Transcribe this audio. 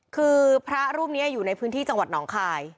คือพระรูปนี้อยู่ในพื้นที่จังหวัดหนองคาย